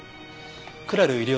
クラル医療